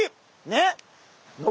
ねっ。